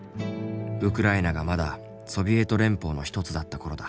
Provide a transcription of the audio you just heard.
ウクライナがまだソビエト連邦の一つだった頃だ。